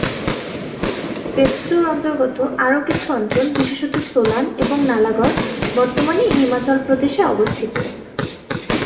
পেপসু-র অন্তর্গত আরও কিছু অঞ্চল, বিশেষত সোলান এবং নালাগড়, বর্তমানে হিমাচল প্রদেশে অবস্থিত।